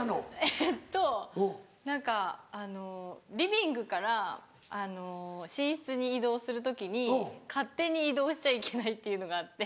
えっと何かあのリビングから寝室に移動する時に勝手に移動しちゃいけないっていうのがあって。